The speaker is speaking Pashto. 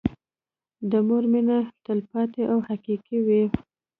د مور مينه تلپاتې او حقيقي وي.